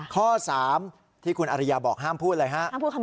ข้อ๓ที่คุณอริยาบอกห้ามพูดอะไรฮะ